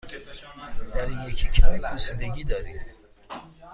در این یکی کمی پوسیدگی دارید.